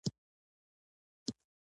تدبیر مې وسنجاوه او پرېکړه مې وکړه.